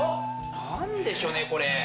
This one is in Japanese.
何でしょうねこれ。